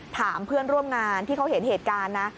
ถามเพื่อนร่วมงานที่เขาเห็นเหตุการณ์นะ